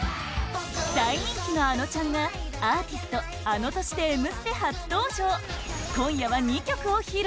大人気のあのちゃんがアーティスト ａｎｏ として「Ｍ ステ」初登場今夜は２曲を披露